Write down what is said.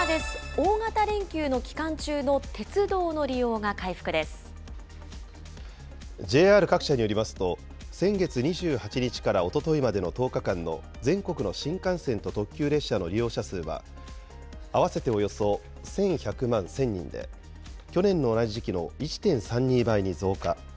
大型連休の期間中の鉄道の利用がＪＲ各社によりますと、先月２８日からおとといまでの１０日間の全国の新幹線と特急列車の利用者数は、合わせておよそ１１００万１０００人で、去年の同じ時期の１．３２倍に増加。